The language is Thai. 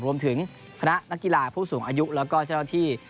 คณะนักกีฬาผู้สูงอายุแล้วก็เจ้าหน้าที่